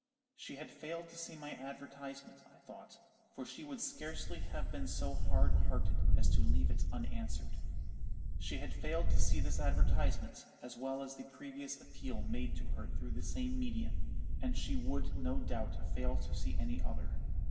She had failed to see my advertisement, I thought; for she would scarcely have been so hard hearted as to leave it unanswered. She had failed to see this advertisement, as well as the previous appeal made to her through the same medium, and she would no doubt fail to see any other.